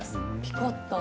ピコット。